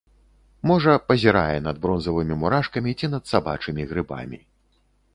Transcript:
Можа пазірае над бронзавымі мурашкамі, ці над сабачымі грыбамі.